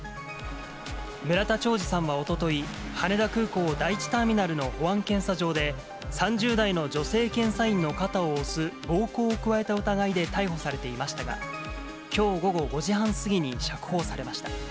村田兆治さんはおととい、羽田空港第１ターミナルの保安検査場で、３０代の女性検査員の肩を押す暴行を加えた疑いで逮捕されていましたが、きょう午後５時半過ぎに釈放されました。